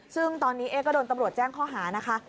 ซึ่งตอนนี้เอ๊ก็โดนตำรวจแจ้งข้อหานะคะ